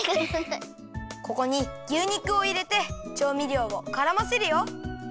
ここに牛肉をいれてちょうみりょうをからませるよ。